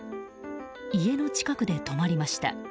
家の近くで止まりました。